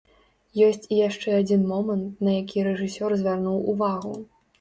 Ёсць і яшчэ адзін момант, на які рэжысёр звярнуў увагу.